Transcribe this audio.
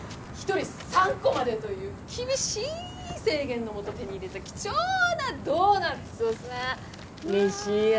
１人３個までという厳しい制限のもと手に入れた貴重なドーナツをさあ召し上がれ！